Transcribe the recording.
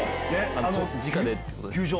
じかでってことです。